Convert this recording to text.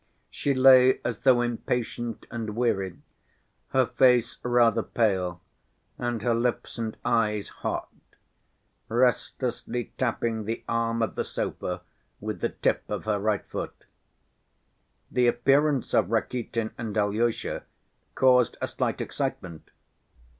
She lay as though impatient and weary, her face rather pale and her lips and eyes hot, restlessly tapping the arm of the sofa with the tip of her right foot. The appearance of Rakitin and Alyosha caused a slight excitement.